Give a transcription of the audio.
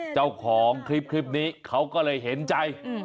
เจ้าของคลิปนี้เขาก็เลยเห็นใจ